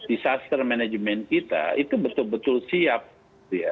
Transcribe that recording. disaster management kita itu betul betul siap gitu ya